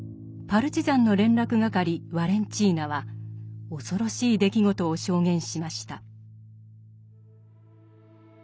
パルチザンの連絡係ワレンチーナは恐ろしい出来事を証言しました。